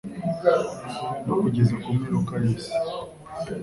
No kugeza ku mperuka y’isi